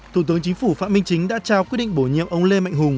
thủ tướng chính phủ phạm minh chính đã trao quyết định bổ nhiệm ông lê mạnh hùng